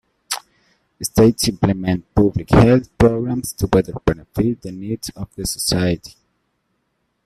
States implement public health programs to better benefit the needs of the society.